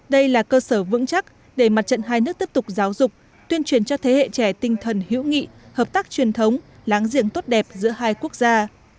đây là cơ sở vững chắc để mặt trận hai nước tiếp tục giáo dục tuyên truyền cho thế hệ trẻ tinh thần hữu nghị hợp tác truyền thống láng giềng tốt đẹp giữa hai quốc gia